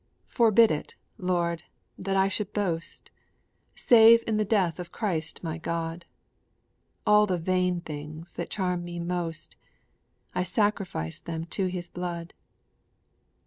Forbid it, Lord, that I should boast, Save in the death of Christ my God! All the vain things that charm me most, I sacrifice them to His blood.